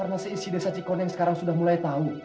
karena seisi desa cikon yang sekarang sudah mulai tahu